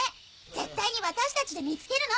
絶対に私たちで見つけるの！